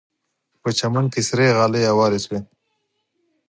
په چمن کې سرې غالۍ هوارې شوې.